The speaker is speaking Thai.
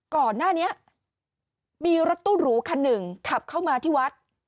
ก่อนหน้านี้มีรถตู้หรูคันหนึ่งขับเข้ามาที่วัด